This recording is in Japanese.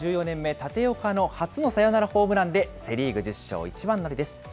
１４年目、立岡の初のサヨナラホームランでセ・リーグ１０勝一番乗りです。